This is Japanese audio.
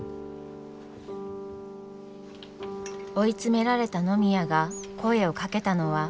追い詰められた野宮が声をかけたのは。